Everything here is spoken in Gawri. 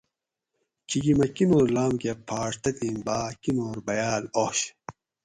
کھِیکی مٞہ کِینو لام کٞہ پھاٞݭ تتھی ما کِینور بھیاٞل آش